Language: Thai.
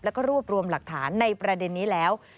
แล้วก็รวบรวมหลักฐานในประเด็นนี้แล้ว